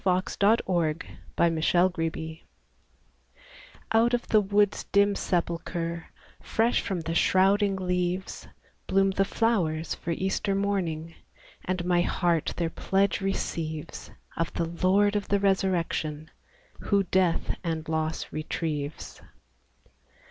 12 EASTER CAROLS THE EP1G/EA ^ UT of the woods dim sepulchre, Fresh from the shrouding leaves, Bloom the flowers for Easter mormng, And my heart their pledge recedes, Of the Lord of the Resurrection, Who death and loss retrieves.